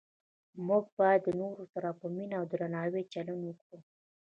موږ باید د نورو سره په مینه او درناوي چلند وکړو